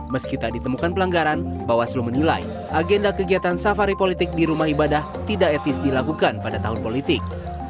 meskipun ditemukan pelanggaran bawaslu menilai agenda kegiatan safari politik di rumah ibadah tidak etis dilakukan pada tahun politik